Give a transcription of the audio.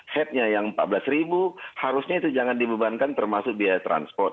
headnya yang rp empat belas harusnya itu jangan dibebankan termasuk biaya transport